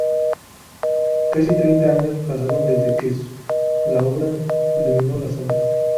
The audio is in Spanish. Casi treinta años pasaron desde que la obra iluminó las salas.